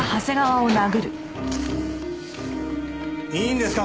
いいんですか？